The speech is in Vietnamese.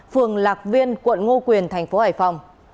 phường lạc viên quận ngô quyền tp hải phòng